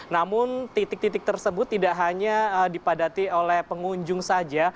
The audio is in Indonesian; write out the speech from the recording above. namun titik titik tersebut tidak hanya dipadati oleh pengunjung saja